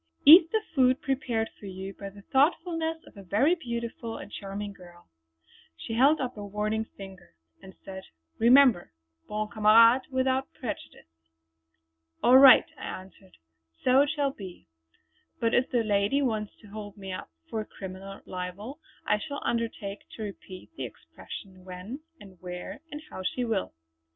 Eat the food prepared for you by the thoughtfulness of a very beautiful and charming girl!" She held up a warning finger and said: "Remember 'Bon Camarade without prejudice.'" "All right" I answered "so it shall be. But if the lady wants to hold me up for criminal libel I shall undertake to repeat the expression when, and where, and how she will.